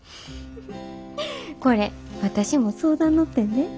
これ私も相談乗ってんで。